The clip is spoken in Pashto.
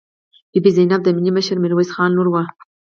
بي بي زینب د ملي مشر میرویس خان لور وه.